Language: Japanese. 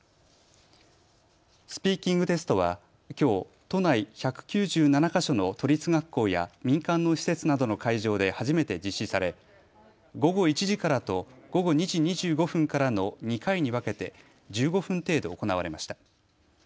スピーキングテストはきょう、都内１９７か所の都立学校や民間の施設などの会場で初めて実施され午後１時からと午後２時２５分からの２回に分けて１５分程度行われました。